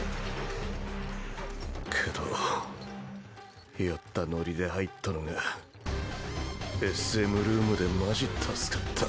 けど酔ったノリで入ったのがＳＭルームでマジ助かった。